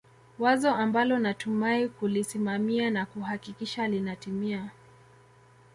wazo ambalo natumai kulisimamia na kuhakikisha linatimia